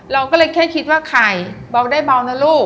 เราก็เลยแค่คิดว่าไข่เบาได้เบานะลูก